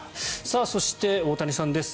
そして、大谷さんです。